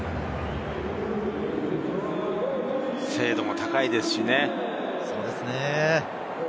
精度も高いですしね。